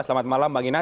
selamat malam bang inas